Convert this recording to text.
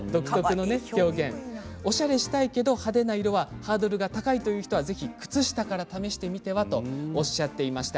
おしゃれしたいけれど派手な色はハードルが高いという人はぜひ靴下から試してみてはとおっしゃっていました。